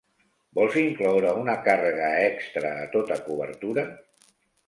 Vols incloure una càrrega extra a tota cobertura?